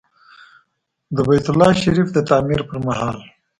د بیت الله شریف د تعمیر پر مهال.